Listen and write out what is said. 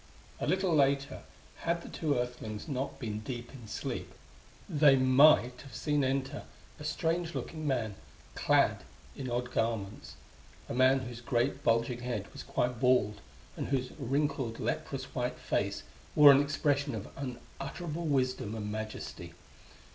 A little later, had the two Earthlings not been deep in sleep, they might have seen enter a strange looking man clad in odd garments a man whose great, bulging head was quite bald, and whose wrinkled, leprous white face wore an expression of unutterable wisdom and majesty.